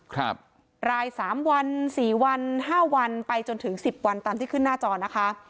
รายสามวันสี่วันห้าวันไปจนถึงสิบวันตามที่ขึ้นหน้าจอนะคะ